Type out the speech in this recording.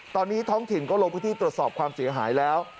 ตอนนี้ท้องถิ่นก็ลงพื้นที่ตรวจสอบความเสียหายแล้ว